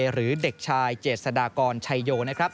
หรือเด็กชายเจษฎากรชัยโยนะครับ